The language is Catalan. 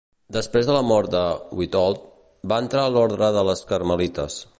Després de la mort de Witold, va entrar a l'ordre de les Carmelites.